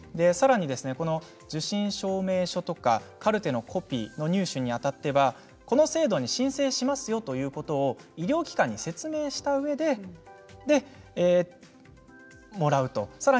さらに受診証明書やカルテのコピーの入手にあたってはこの制度に申請しますよと医療機関に説明したうえでもらうと。